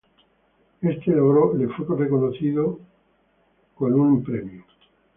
Este logro le fue reconocido con la Medalla Militar.